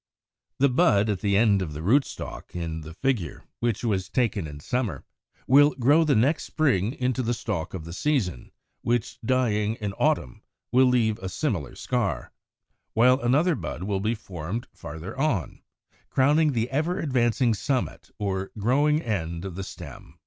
The bud at the end of the rootstock in the figure (which was taken in summer) will grow the next spring into the stalk of the season, which, dying in autumn, will leave a similar scar, while another bud will be formed farther on, crowning the ever advancing summit or growing end of the stem.